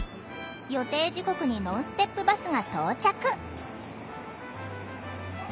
予定時刻にノンステップバスが到着。